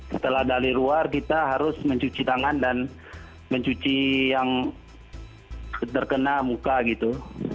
setelah dari luar kita harus mencuci tangan dan mencuci yang terkena muka gitu